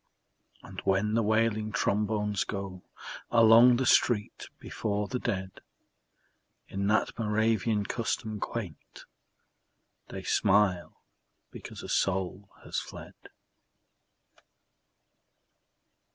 And when the wailing trombones go Along the street before the dead In that Moravian custom quaint, They smile because a soul has fled.